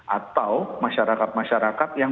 atau masyarakat masyarakat yang